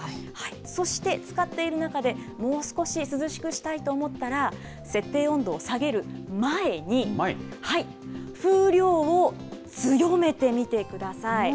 そして、使っている中で、もう少し涼しくしたいと思ったら、設定温度を下げる前に、風量を強めてみてください。